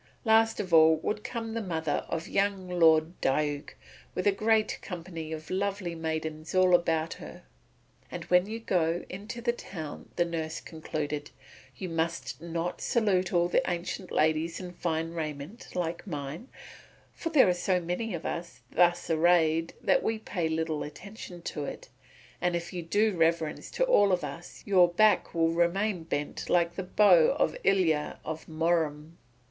Last of all would come the mother of young Lord Diuk, with a great company of lovely maidens round about her. "And when you go into the town," the nurse concluded, "you must not salute all the ancient ladies in fine raiment like mine, for there are so many of us thus arrayed that we pay little heed to it. And if you do reverence to all of us your back will remain bent like the bow of Ilya of Murom."